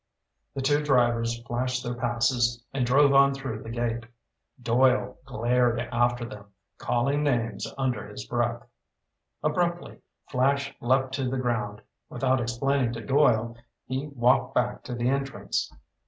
The two drivers flashed their passes and drove on through the gate. Doyle glared after them, calling names under his breath. Abruptly, Flash leaped to the ground. Without explaining to Doyle, he walked back to the entrance.